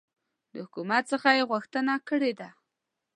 د حکومت څخه یي غوښتنه کړې ده